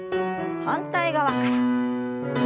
反対側から。